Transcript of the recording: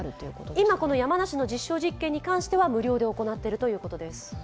今、山梨の実証実験に関しては無料で行っているそうです。